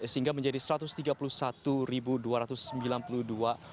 sehingga menjadi satu ratus tiga puluh satu dua ratus sembilan puluh dua